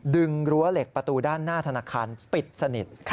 รั้วเหล็กประตูด้านหน้าธนาคารปิดสนิท